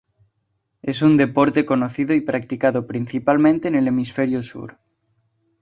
Es un deporte conocido y practicado principalmente en el hemisferio sur.